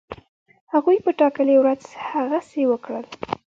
هغوی په ټاکلې ورځ هغسی وکړل.